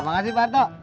makasih pak harto